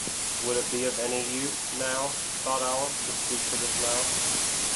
‘Would it be of any use, now,’ thought Alice, ‘to speak to this mouse?